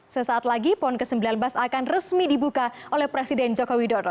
sesaat lagi pon ke sembilan belas akan resmi dibuka oleh presiden joko widodo